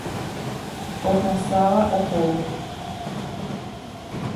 Ohasáva ohóvo.